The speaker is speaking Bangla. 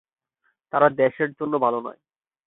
তারা দেশের জন্য ভাল নয়।